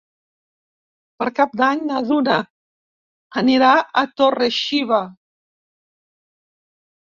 Per Cap d'Any na Duna anirà a Torre-xiva.